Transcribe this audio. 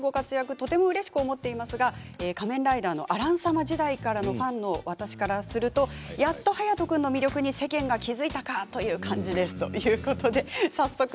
とてもうれしく思っていますが仮面ライダーのアラン様時代からのファンの私からするとやっと勇斗君の魅力に世間が気付いたかという感じです。